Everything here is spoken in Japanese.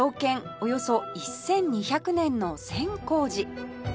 およそ１２００年の千光寺